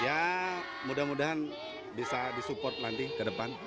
ya mudah mudahan bisa disupport nanti ke depan